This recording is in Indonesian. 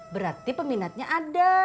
berarti peminatnya ada